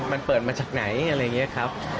มันเปิดมาจากไหนอะไรอย่างนี้ครับ